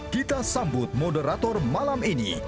kita sambut moderator malam ini